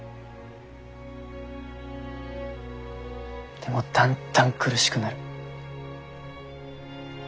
でもだんだん苦しくなる。